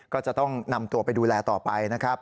ก็จะต้องนำตัวไปดูแลต่อไปนะครับ